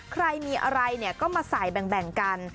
ใครมีอะไรก็มาใส่แบ่งกัน